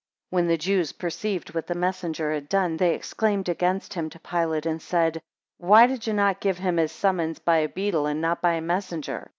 10 When the Jews perceived what the messenger had done, they exclaimed (against him) to Pilate, and said, Why did you not give him his summons by a beadle, and not by a messenger?